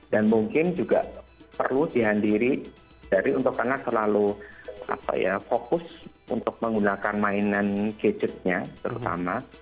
dan mungkin juga perlu dihendiri dari untuk karena selalu fokus untuk menggunakan mainan gadgetnya terutama